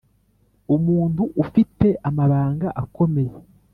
umuntu ufite amabanga akomeye